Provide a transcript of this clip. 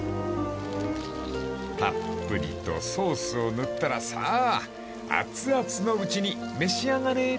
［たっぷりとソースを塗ったらさああつあつのうちに召し上がれ］